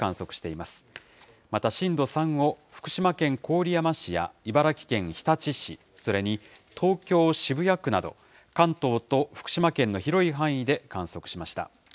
また震度３を福島県郡山市や茨城県日立市、それに東京・渋谷区など、関東と福島県の広い範囲で観測しました。